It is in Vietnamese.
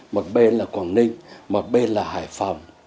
một bên là quảng ninh một bên là hải phòng